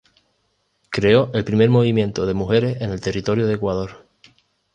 Creó el primer movimiento de mujeres en el territorio de Ecuador.